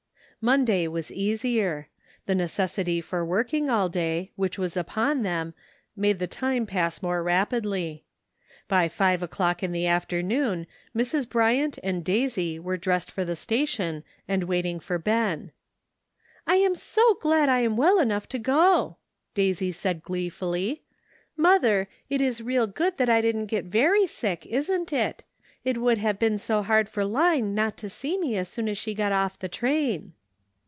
Monday was easier. The necessity for work ing all day which was upon them made the time WAITING. 125 pass more rapidly. By five o'clock in the after noon Mrs. Bryant and Daisy were dressed for the station, and waiting for Ben. "I am so glad I am well enough to go," Daisy said gleefully. " Mother, it is real good that I didn't get very sick, isn't it? It would have been so hard for Line not to see me as soon as she got off the train."